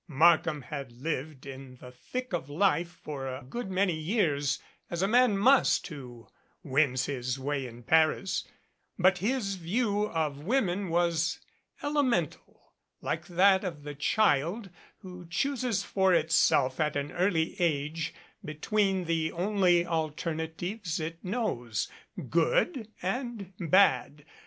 Markham had lived in the thick of life for a good many years as a man must who wins his way in Paris, but his view of women was elemental, like that of the child who chooses for itself at an early age between the only alternatives it knows, "good" and "bad."